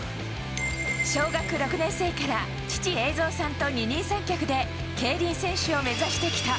小学６年生から、父、栄造さんと二人三脚で競輪選手を目指してきた。